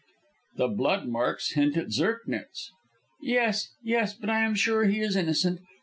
"The blood marks hint at Zirknitz." "Yes, yes, but I am sure he is innocent.